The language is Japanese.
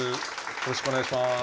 よろしくお願いします。